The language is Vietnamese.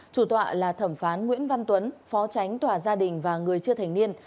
chủ tọa là thẩm phán nguyễn văn tuấn phó tránh tòa gia đình và người chưa thành niên